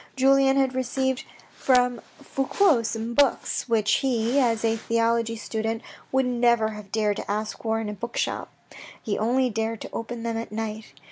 Julien had received from Fouque some books, which he, as a theology student would never have dared to ask for in a bookshop. He only dared to open them at night.